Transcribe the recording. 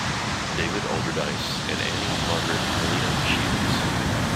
David Alderdice and Annie Margaret Helena Shields.